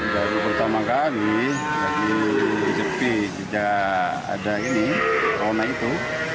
dari pertama kali jadi di jepi tidak ada ini awalnya itu